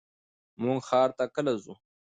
مونږ ښار ته کله ځو؟